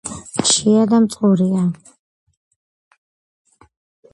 მშია და მწყურია